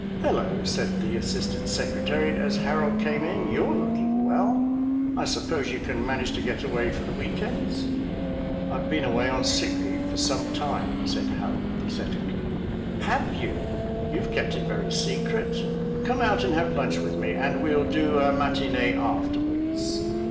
"Hullo," said the Assistant Secretary as Harold came in, "you're looking well. I suppose you can manage to get away for the weekends?" "I've been away on sick leave for some time," said Harold pathetically. "Have you? You've kept it very secret. Come out and have lunch with me, and we'll do a matinée afterwards."